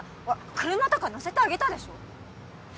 車とか乗せてあげたでしょ！